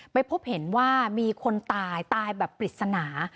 ไปพบเห็นว่ามีคนตายตายแบบปริศนา